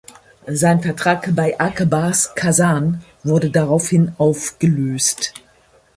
Sein Vertrag bei Ak Bars Kasan wurde daraufhin aufgelöst.